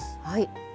はい。